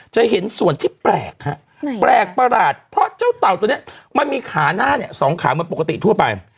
จะเห็นส่วนที่แปลกฮะแปลกประหลาดเพราะเจ้าเต่าตัวนี้มันมีขาหน้าเนี่ยสองขาเหมือนปกติทั่วไป